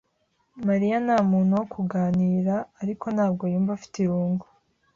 Mariya nta muntu wo kuganira, ariko ntabwo yumva afite irungu.